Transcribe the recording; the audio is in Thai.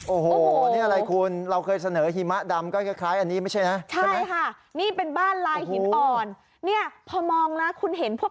โอ้โหนี่อะไรคุณเราเคยเสนอหิมะดำก็คล้ายอันนี้ไม่ใช่นะใช่ไหมนี่เป็นบ้านลายหินอ่อนเนี่ยพอมองนะคุณเห็นพวก